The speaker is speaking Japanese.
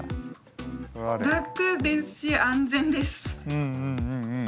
うんうんうんうん。